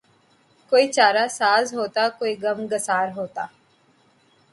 کوئی چارہ ساز ہوتا کوئی غم گسار ہوتا